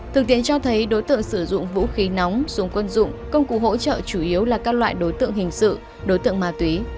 thực tiễn cho thấy đối tượng sử dụng vũ khí nóng súng quân dụng công cụ hỗ trợ chủ yếu là các loại đối tượng hình sự đối tượng ma túy